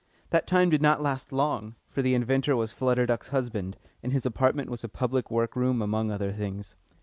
That time did not last long, for the inventor was Flutter Duck's husband, and his apartment was a public work room among other things.